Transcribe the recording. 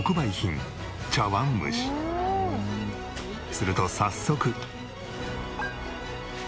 すると早速。